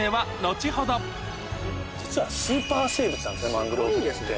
マングローブって。